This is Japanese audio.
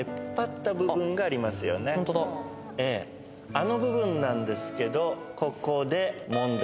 あの部分なんですけどここで。